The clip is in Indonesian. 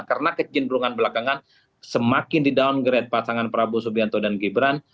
karena kecenderungan belakangan semakin didowngrade pasangan prabowo subianto dan gibran